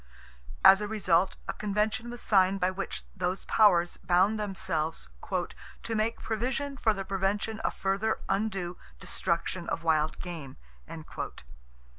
As a result a Convention was signed by which those powers bound themselves "to make provision for the prevention of further undue destruction of wild game."